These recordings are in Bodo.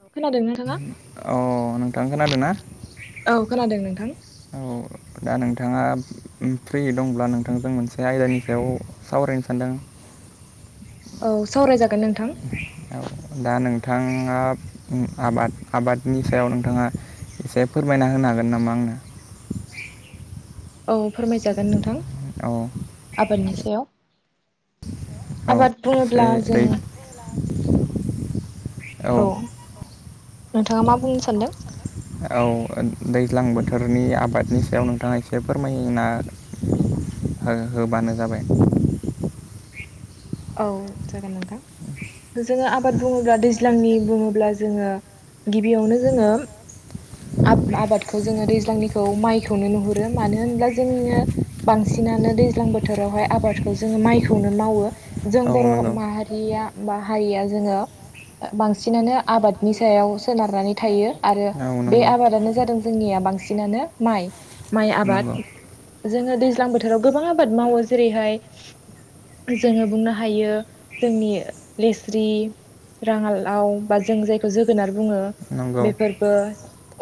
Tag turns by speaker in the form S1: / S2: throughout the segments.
S1: खोनादों नोंथाङा
S2: अ नोंथां खोनादों ना? औ
S1: औ नोंथां
S2: खोनादों औ दा नोंथां नोंथाङा फ्रि दंब्ला नोंथांजों मोनसे आयदानि सायाव सावरायनो सानदों [inaudible]
S1: औ सावरायजागोन नोंथां
S2: औ दा नोंथाङा उम आबाद आबादनि सायाव नोंथाङा एसे फोरमायना होनो हागोन नामा आंनो?
S1: औ फोरमाय जागोन नोंथां
S2: औ
S1: आबादनि सायाव
S2: औ
S1: आबाद
S2: एसे
S1: बुङोब्ला जों
S2: दै औ
S1: नोंथाङा मा बुंनो सानदों
S2: औ दैज्लां बोथोरनि आबादनि सायाव नोंथाङा एसे फोरमायो ना ओ होबानो जाबाय
S1: औ जागोन नोंथां जोङो आबाद बुङोब्ला दैज्लांनि बुङोब्ला जोङो गिबियावनो जोङो आब आबादखौ जोङो दैज्लांनिखौ माइखौनो नुहुरो मानो होनब्ला जोङो बांसिन बिनानै दैज्लां बोथोरावहाय आबादखौ जोङो माइखौनो मावो जों
S2: औ
S1: बर'
S2: नंगौ
S1: माहारिया बा हारिया जोङो ओ बांसिनानो आबादनि सायाव सोनारनानै थायो आरो
S2: औ
S1: बे
S2: नंगौ
S1: आबादानो जादों जोंनिया बांसिनानो माइ माइ
S2: नंगौ
S1: आबाद जोङो दैज्लां बोथोराव गोबां आबाद मावो जेरैहाय जोङो बुंनो हायो जोंनि लेस्रि राङालाव बा जों जायखौ जोगोनार बुङो
S2: नंगौ
S1: बेफोरबो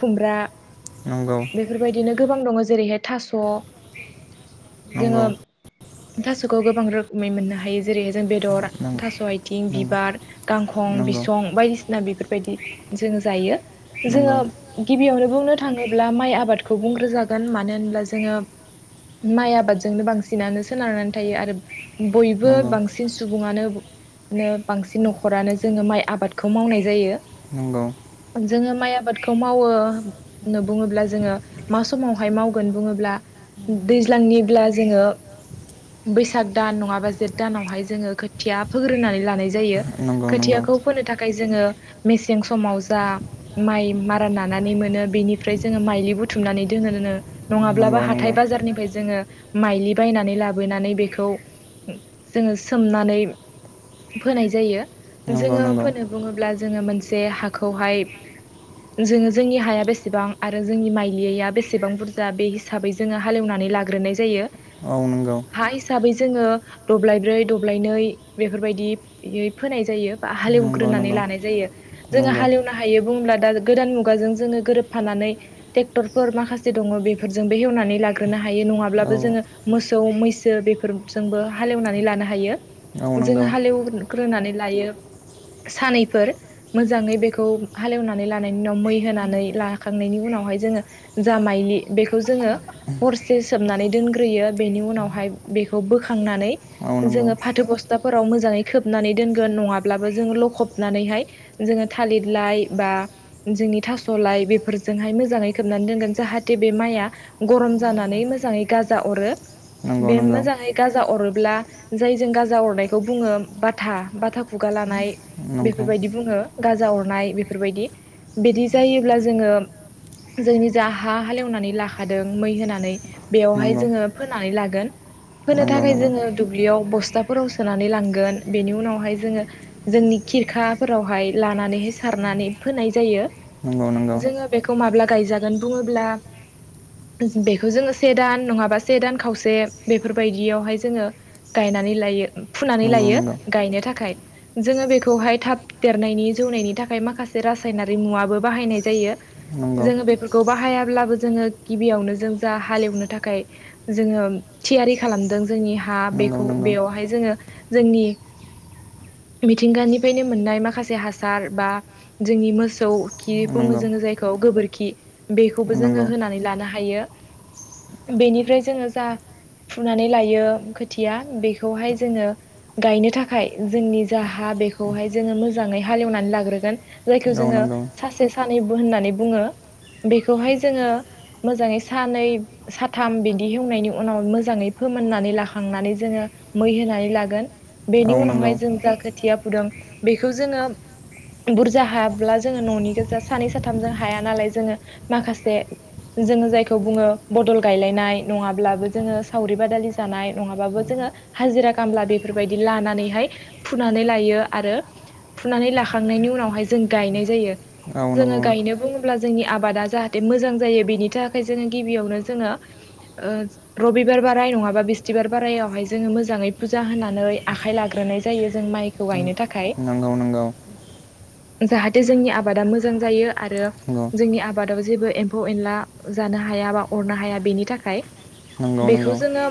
S1: खुमब्रा
S2: नंगौ
S1: बेफोरबायदिनो गोबां दङ जेरैहाय थास' जोङो
S2: नंगौ
S1: थास'खौ गोबां रोखोमै मोननो हायो जेरैहाय जों बेदर थास' आइथिं
S2: नंगौ
S1: बिबार गांखं
S2: नंगौ
S1: बिसं बायदिसिना बेफोरबायदि जोङो जायो जोङो
S2: नंगौ
S1: गिबियावनो बुंनो थाङोब्ला माइ आबादखौ बुंग्रो जागोन मानो होनब्ला जोङो माइ आबादजोंनो बांसिनानो सोनारनानै थायो आरो बयबो
S2: नंगौ
S1: बांसिन सुबुङानो बांसिन न'खरानो जोङो माइ आबादखौ मावनाय जायो
S2: नंगौ
S1: जोङो माइ आबादखौ मावो बुङोब्ला जोङो मा समावहाय मावगोन बुङो ब्ला दैज्लांनिब्ला जोङो बैसाग दान नङाबा जेथ दानावहाय जोङो खोथिया फोग्रोनानै लानाय जायो
S2: नंगौ नंगौ
S1: खोथियाखौ फोनो था खाय जोङो मेसें समाव जा माइ मारा नानानै मोनो बेनिफ्राय जोङो मायलि बुथुमनानै दोनोनो नङाब्ला बा
S2: नंगौ नंगौ
S1: हाथाय बाजारनिफ्राय जोङो माइलि बायनानै लाबोनानै बेखौ जोङो सोमनानै फोनाय जायो
S2: नंगौ
S1: जोङो
S2: नंगौ
S1: फोनो बुङोब्ला जोङो मोनसे हाखौहाय जोङो जोंनि हाया बेसेबां आरो जोंनि माइलिया बेसेबां बुरजा बे हिसाबै जोङो हालेव नानै लाग्रोनाय जायो
S2: औ नंगौ
S1: हा हिसाबै जोङो दब्लायब्रै दब्लायनै बेफोरबायदि फोनाय जायो बा
S2: नंगौ
S1: हालेवग्रोनानै
S2: नंगौ
S1: लानाय जायो जोङो
S2: नंगौ
S1: हालेवनो हायो बुङोब्ला दा गोदान मुगाजों जोङो गोरोबफानानै ट्रेक्टरफोर माखासे दं खुङो बेफोरजोंबो एवनानै लाग्रोनो हायो
S2: औ
S1: नङाब्लाबो‌ जोङो मोसौ मैसो बेफोरजोंबो हालेवनानै लानो हायो
S2: औ
S1: जोङो
S2: नंगौ
S1: हालेवग्रोनानै लायो सानैफोर मोजाङै बेखौ हालेवनानै लानायनि उनाव मै होनानै लाखांनायनि उनाव उनावहाय जोङो जा मायलि बेखौ जोङो हरसे सोबनानै दोनग्रोयो बेनि उनावहाय बेखौ बोखांनानै
S2: औ
S1: जोङो फाथो बस्थाफोराव मोजाङै खोबनानै दोनगोन नङाब्लाबो जोङो लखबनानैहाय जोङो थालिर लाइ बा जोंनि थास' लाइ बेफोरजोंहाय मोजाङै खोबनानै दोनगोन जाहाथे बे माया गरम जानानै मोजांयै गाजा अरो
S2: नंगौ नंगौ
S1: बे मोजांयै गाजा अरो ब्ला जायजों गाजा अरनायखौ बुङो बाथा बाथा खुगा लानाय बेफोरबायदि बुङो गाजा अरनाय बेफोरबायदि बिदि जायोब्ला जोङो जोंनि जा हा हालेवनानै लाखादों मै होनानै बेयावहाय
S2: नंगौ नंगौ
S1: जोङो फोननानै लागोन फोनो
S2: नंगौ नंगौ
S1: थाखाय जोङो दुब्लियाव बस्थाफोराव सोनानै लांगोन बेनि उनावहाय जोङो जोंनि खिरखाफोरावहाय लानानै सारनानै फोनाय जायो
S2: नंगौ
S1: जोङो बेखौ माब्ला गायजागोन बुङोब्ला बेखौ जोङो से दान नङाबा से दान खावसे बेफोरबायदियावहाय जोङो गायनानै लायो फुनानै लायो गायनो थाखाय जोङो बेखौहाय थाब देरनाय नि जौनायनि थाखाय माखासे रासायनारि मुवाबो बाहायनाय जायो जोङो बेफोरखौ बाहायाब्लाबो जोङो गिबियावनो जों जा हालेवनो थाखाय जोङो थियारि खालामदों जोंनि हा बेखौ बेयावहाय जोङो जोंनि
S2: [inaudible]
S1: मिथिंगानिफ्रायनो मोननाय माखासे हासार बा जोंनि मोसौ खि बुङो जोङो जायखौ गोबोरखि बेखौबो जोङो
S2: नंगौ
S1: होनानै लानो हायो बेनिफ्राय जोङो जा फुनानै लायो खोथिया बेखौहाय जोङो गायनो थाखाय जोंनि जा हा बेखौहाय जोङो मोजाङै हालेवनानै लाग्रोगोन जायखौ
S2: औ
S1: जोङो
S2: नंगौ
S1: सासे सानैबो होननानै बुङो बेखौहाय जोङो मोजाङै सानै साथाम बिदि हेवनायनि उनाव मोजाङै फोमोननानै लाख खांनानै जोङो मै होनानै लागोन
S2: औ
S1: बेनि
S2: नंगौ
S1: उनावहाय
S2: बुरजा
S1: जों जा खोथिया फुदों बेखौ जोङो बुरजा हाब्ला जोङो ननि गोजा सानै साथामजों हाया नालाय जोङो माखासे जोङो जायखौ बुङो बदल गायलायनाय नङाब्लाबो जोङो सावरि बादालि जानाय नङाबाबो जोङो हाजिरा गामला बेफोरबायदि लानानैहाय फुनानै लायो आरो फुनानै लाखांनायनि उनावहाय जों गायनाय जायो
S2: जायो औ
S1: जोङो
S2: नंगौ
S1: गायनो बुङो ब्ला जोंनि आबादा जे मोजां जायो बेनि थाखाय जोङो गिबियावनो जोङो ओ रबि बिबार बाराय नङाबा बिस थि बिबार बारायावहाय जोङो मोजाङै फुजा होनानै आखाइ लाग्रोनाय जायो जों माइखौ गायनो थाखाय
S2: नोंगौ नोंगौ
S1: जाहाथे जोंनि आबादा मोजां जायो आरो
S2: नंगौ
S1: जोंनि आबादाव जेबो एम्फौ एनला जानो हाया याबा अरनो हाया बेनि थाखाय
S2: नोंगौ
S1: बेखौ
S2: नोंगौ
S1: जोङो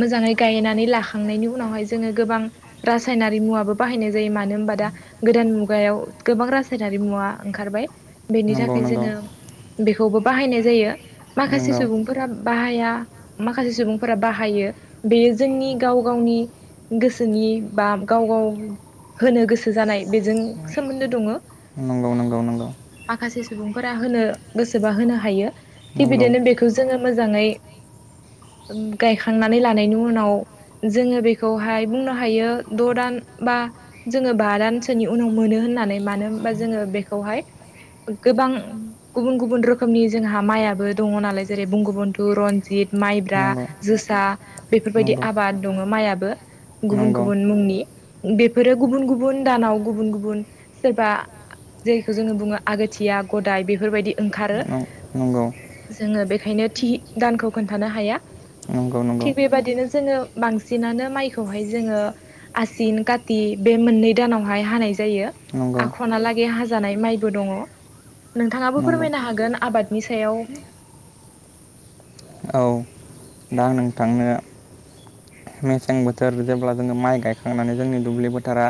S1: मोजाङै गायनानै लाखांनायनि उनावहाय जोङो गोबां रासायनारि मुवाबो बाहायनाय जायो मानो होनबा दा गोदान मुगायाव गोबां रासायनारि मुवा ओंखारबाय बेनि
S2: नंगौ
S1: थाखाय
S2: नंगौ
S1: जोङो बेखौबो बाहायनाय जायो माखासे
S2: नंगौ
S1: सुबुंफोरा बाहाया माखासे सुबुं फोरा बाहायो बेयो जोंनि गाव गावनि गोसोनि बा गाव गाव होनो गोसो जानाय बेजों सोमोन्दो दङ
S2: औ नंगौ
S1: माखासे सुबुंफोरा होनो गोसोबा होनो हायो थिग बिदिनो बेखौ जोङो मोजाङै
S2: [unintelligible]
S1: गायखांनानै लानायनि उनाव जोङो बेखौहाय बुंनो हायो द दान बा जोङो बा रानसोनि उनाव मोनो होननानै मानो होनबा जोङो बेखौहाय गोबां गुबुन गुबुन रोखोमनि जोंहा माइयाबो दङ नालाय जेरै बुंंगबन्थु रन्जित माइब्रा जोसा बेफोरबायदि आबाद दङ माइयाबो गुबुन
S2: नंगौ
S1: गुबुन मुंनि बेफोरो गुबुन गुबुन दानाव गुबुन गुबुन सोरबा जेरखौ जोङो बुङो आगोथिया गदाय बेफोरबायदि ओंखारो
S2: नोंगौ
S1: ओंखायनो थि दानखौ खोन्थानो हाया
S2: नंगौ नं
S1: थि बेबदिनो जोङो बांसिनानो माइखौहाय जोङो आसिन काति बे मोननै दानावहाय हानाय जायो
S2: नंगौ
S1: आखनालागै हाजानाय माइबो दङ नोंथाङाबो
S2: नंगौ
S1: फोरमायनो हागोन आबादनि सायाव
S2: औ दा आं नोंथांनो मेसें बोथोर जेब्ला जोङो माइ गायखांनानै जोंनि दुब्लि बोथोरा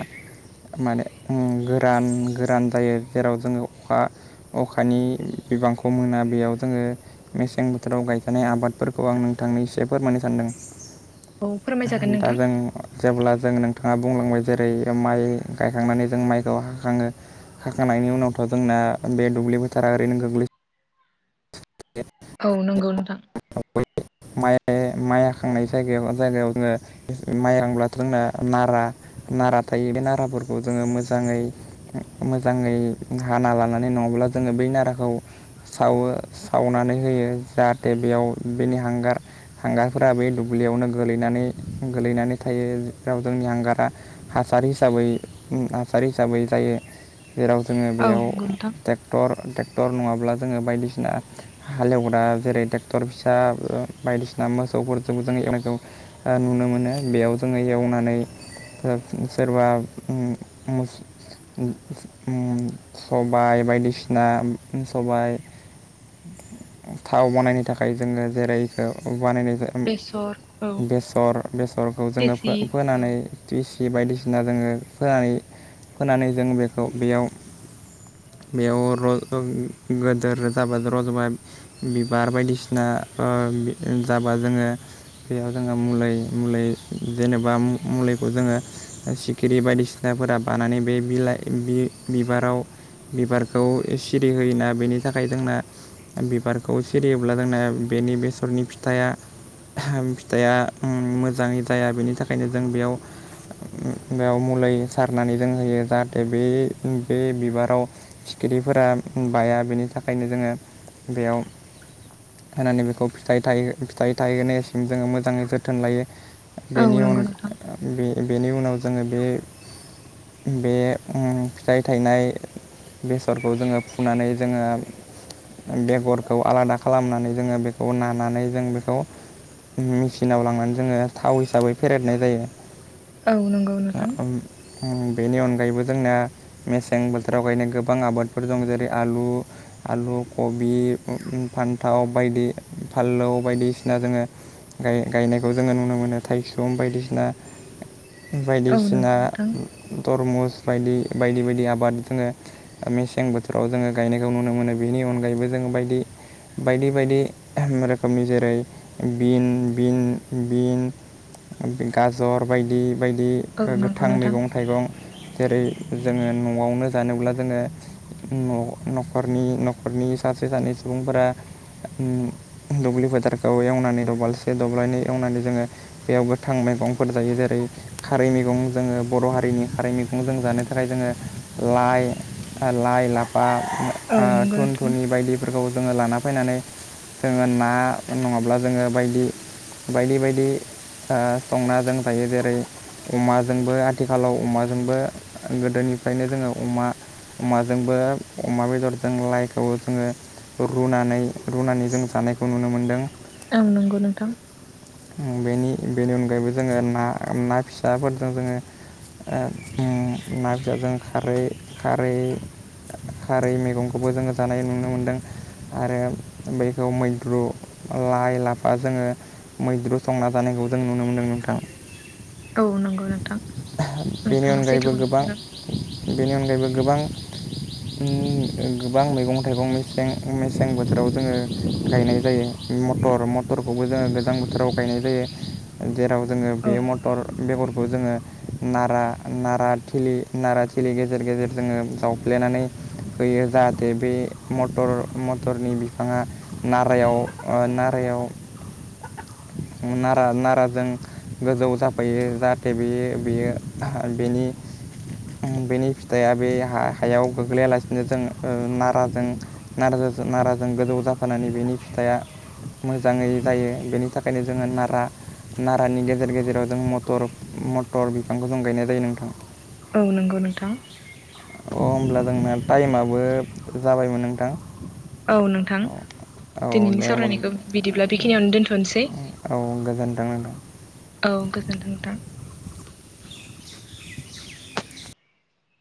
S2: माने ओ गोरान गोरान जायो जेराव जोङो अखा अखानि बिबांखौ मोना बेयाव जोङो मेसें बोथोराव गायखानाय आबादफोरखौ आं नों थांनै सेफोर मोननो सानदों
S1: औ फोरमायजागोन
S2: दा
S1: नोंथां
S2: जों जेब्ला जों नोंथाङा बुंलांबाय जेरै माइ गायखांनानै जों माइखौ हाखाङो हाखांनायनि उनावथ' जोंना बे दुब्लि बोथोरा ओरैनो गोग्लै
S1: औ नोंगौ नोंथां
S2: माइ माइ हाखांनाय जायगायाव जायगायाव जोङो माइ रांब्लाथ' जोंना नारा नारा थायो बे नाराफोरखौ जोङो मोजाङै मोजाङै हाना लानानै नङाब ब्ला जोंङो बे नाराखौ सावो सावनानै होयो जाहाथे बेयाव बेनि हां गार हांगारफोरा बे दुब्लियावनो गोलैनानै -गोलैनानै थायो जेराव जोंनि हांगारा हासार, हिसाबै ओम नारजारि हिसाबै जायो। जेराव जोङो
S1: औ
S2: बेयाव
S1: नंगौ नोंथां
S2: ट्रेक्टर ट्रेक्टर नङाब्ला जोङो बायदिसिना हालेवग्रा जेरै टेक्टर फिसा बायदिसिना मोसौफोरजों जों एवनायखौ नुनो मोनो बेयाव जोङो एवनानै सोरबा उम मोस उम सबाय बायदिसिना सबाय थाव बानायनो थाखाय जोङो जेरै इखो बानायनाय जा
S1: बेसर औ
S2: बेसर बेसरखौ जोङो
S1: देसि औ
S2: फोनानै थिस बायदिसिना जोङो फोनानै -फोनानै जों बेखौ बेयाव, बेयाव र' गोदोर [unintelligible] रज'बा बिबार बायदिसिना जाबा जोङो बेयाव जोङो मुलै- मुलै जेनेबा मुलैखौ जोङो, सिखिरि बायदिसिनाफोरा बानानै बे बिलाइ बिसाराव बिबारखौ सिरि होयोना बेनि थाखाय जोंना बिबारखौ सिरियोब्ला जोंना बेनि बेसरनि फिथाइया, ओहोम फिथाइया मोजाङै जाया बेनि थाखायनो जों बेयाव बेयाव मुलै सारनानै जों होयो जाहाथे बे बे बिबाराव एदिफोरा बाया बेनि थाखायनो जोङो बेयाव होनानै बेखौ फिथाइ थायहो -फिथाइ थायहो नायसिम जोङो मोजाङै जोथोन लायो।
S1: औ
S2: बेनि अन
S1: नंगौ नोंथां
S2: बेनि उनाव जोङो बे बे उम फिथाइ थायनाय बेसरखौ जोङो फुनानै जोङो बेगरखौ आलादा खालामनानै जोङो बे खौ नानानै जों बेखौ, मेसिनाव लांनानै जोङो थाव हिसाबै फेरेेरनाय जायो।
S1: औ नंगौ नोंथां।
S2: बेनि अनगायैबो जोंना मेसें बोथोराव गायनाय गोबां आबादफोर दं जेरै आलु आलु कबि, फान्थाव बायदि फानलौ बायदिसिना जोङो गाय गायनायखौ जोङो नुनो मोनो थाइसुम बायदिसिना
S1: औ
S2: बायदिसिना
S1: नंगौ नोंथां
S2: थरमुस, बायदि बायदि बायदि आबाद जोङो मेसें बोथोराव जोङो गायनायखौ नुनो मोनो बेनि अनगायैबो जों जों बायदि बायदि बायदि रोखोमनि जेरै बिन बिन बिन गाजर बायदि बायदि
S1: औ नंगौ
S2: गोथां
S1: नोंथां
S2: मैगं -थाइगं जेरै जोङो न'आवनो जानोब्ला जोङो, न' न'खरनि न'खरनि सासे सानै सुबुंफोरा दुब्लि फोथारखौ एवनानै दबालसे दब्लाइनै एवनानै जोङो बेयाव गोथां मैगंफोर जायो जेरै खारै मैगं जोङो बर' हारिनि खारै मैगं जों जानो थाखाय जोङो लाइ लाइ लाफा
S1: औ
S2: ओ
S1: नंगौ
S2: थुन
S1: नोंथां
S2: थुनि बायदिफोरखौ जोङो लाना फैनानै जोङो ना नङाब्ला जोङो बायदि बायदि बायदि ओ संनाजों जायो जेरै अमाजोंबो आथिखालाव अमाजोंबो गोदोनिफ्रायनो जोङो अमा अमाजोंबो अमा बेदरजों लाइखौ जोङो रुनानै, रुनानै जों जानायखौ नुनो मोन्दों।
S1: औं नंगौ नोंथां।
S2: बेनि बेनि अनगायैबो जोङो ना ना फिसाफोरजों जोङो ओ ना फिसाजों खारै खारै खारै मैगंखौबो जोङो जानाय नुनो मोनदों आरो बैखौ मैद्रु, लाइ लाफा जोङो मैद्रु संना जानायखौ जों नुनो मोनदों नोंथां।
S1: औ नंगौ नोंथां
S2: बेनि
S1: नोंथाङा
S2: अनगायैबो
S1: सैथोखौनो
S2: गोबां
S1: बुंदों
S2: बेनि अनगायैबो गोबां, गोबां मैगं थाइगं मसें मेसें बोथोराव जोङो गायनाय जायो। मटर मटरखौबो जोङो गोजां बोथोराव गायनाय जायो जेराव जोङो
S1: औ
S2: बे
S1: नंगौ
S2: मटर बेगरखौ जोङो नारा नारा थिलि नारा थिलि गेजेर गेजेर जोङो जावफ्लेनानै होयो जाहाथे बे मर मटरनि बिफाङा नारायाव ओ नाराय याव नारा नारारों गोजौ जा फैयो जाहाथे बेयो बेयो बेनि बेनि फिथाइया बे हायाव गोग्लैयालासिनो जों ओ नाराजों नाराजों नाराजों गोजौ जाफानानै बेनि फिथाइआ मोजाङै जायो बेनि थाखायनो जोङो नारा नारानि गेजेर गेजेराव जों मटर मटर बिफांखौ जों गायनाय जायो नोंथां।
S1: औ नंगौ नोंथां।
S2: अ होमब्ला जोंना टाइमाबो जाबायमोन नोंथां।
S1: औ नोंथां।
S2: औ औ
S1: दिनैनि
S2: दे
S1: सावरायनायखौ
S2: होमबा
S1: बिदिब्ला बेखिनियावनो दोन्थ'नोसै।
S2: औ गोजोन्थों नोंथां
S1: औ गोजोनथों नोंथां।